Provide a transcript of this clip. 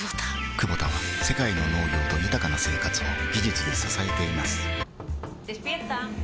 クボタは世界の農業と豊かな生活を技術で支えています起きて。